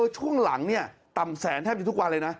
ช่วงหลังต่ำแสนแทบจะทุกวันเลยนะ